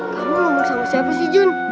kamu nomor sama siapa sih jun